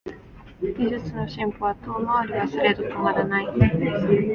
技術の進歩は遠回りはすれど止まらない